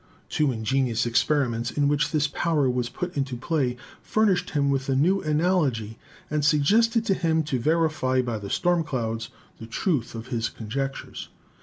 Two ingenious experiments in which this power was put into play furnished him with a new analogy and suggested to him to verify by the storm clouds the truth of his con jectures.